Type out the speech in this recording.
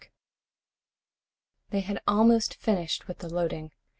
_ They had almost finished with the loading.